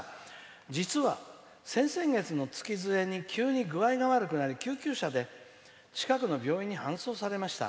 実は、先々月に具合が悪くなり救急車で近くの病院に搬送されました。